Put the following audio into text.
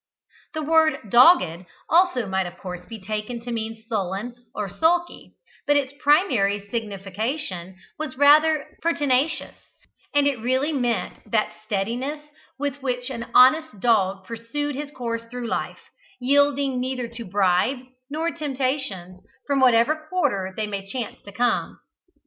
The word "dogged" also might of course be taken to mean "sullen" or "sulky," but its primary signification was rather "pertinacious;" and it really meant that steadiness with which an honest dog pursued his course through life, yielding neither to bribes nor temptations, from whatever quarter they might chance to come.